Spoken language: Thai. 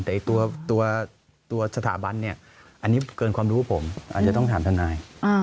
แต่ตัวสถาบันเนี่ยอันนี้เกินความรู้ผมอาจจะต้องถามทนาย